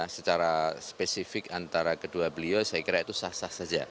secara spesifik antara kedua beliau saya kira itu sah sah saja